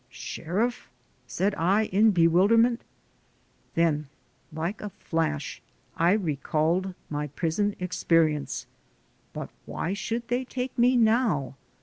"Sheriff?" said I in bewilder ment. Then like a flash I recalled my prison expe rience. But why should they take me now?